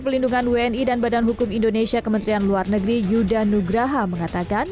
pelindungan wni dan badan hukum indonesia kementerian luar negeri yuda nugraha mengatakan